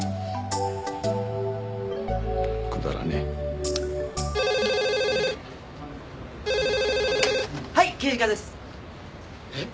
くだらねぇ・☎はい刑事課ですえっ